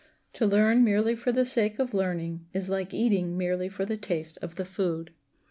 To learn merely for the sake of learning is like eating merely for the taste of the food.